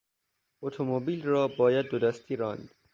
اتومبیل را باید دو دستی راند.